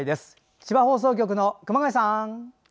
千葉放送局の熊谷さん。